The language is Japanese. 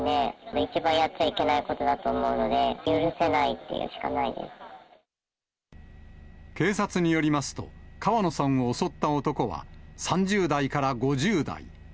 一番やっちゃいけないことだと思うので、警察によりますと、川野さんを襲った男は、３０代から５０代。